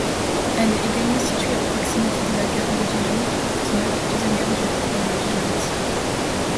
Elle est également située à proximité de la Gare de Dijon-Porte-Neuve, deuxième gare dijonnaise.